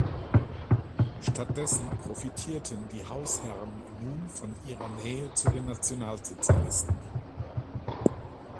Stattdessen profitierten die Hausherren nun von ihrer Nähe zu den Nationalsozialisten.